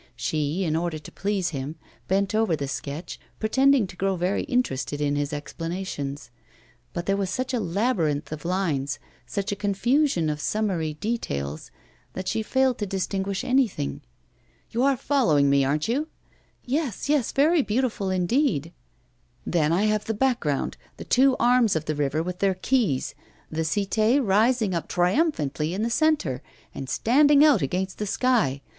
She, in order to please him, bent over the sketch, pretending to grow very interested in his explanations. But there was such a labyrinth of lines, such a confusion of summary details, that she failed to distinguish anything. 'You are following me, aren't you?' 'Yes, yes, very beautiful indeed.' 'Then I have the background, the two arms of the rivet with their quays, the Cité, rising up triumphantly in the centre, and standing out against the sky.